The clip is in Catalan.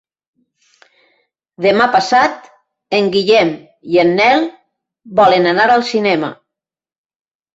Demà passat en Guillem i en Nel volen anar al cinema.